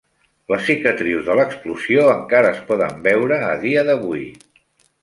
Les cicatrius de l'explosió encara es poden veure a dia d'avui.